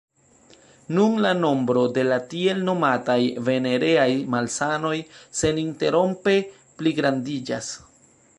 Nun la nombro de la tiel nomataj venereaj malsanoj seninterrompe pligrandiĝas.